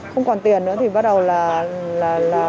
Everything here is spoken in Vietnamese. không còn tiền nữa thì bắt đầu là